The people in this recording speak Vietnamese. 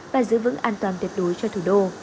và giữ vững an toàn tuyệt đối cho thủ đô